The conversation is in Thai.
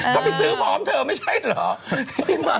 ก็ไปซื้อพร้อมเธอไม่ใช่เหรอ